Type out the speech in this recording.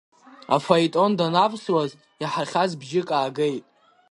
Афаетон данавсуаз, иаҳахьаз бжьык аагеит…